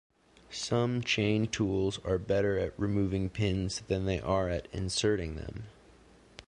Some chain tools are better at removing pins than they are at inserting them.